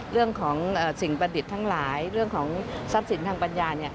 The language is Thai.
เรื่องของสิ่งประดิษฐ์ทั้งหลายเรื่องของทรัพย์สินทางปัญญา